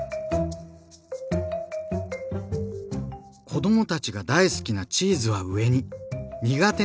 子どもたちが大好きなチーズは上に苦手なオリーブは下に。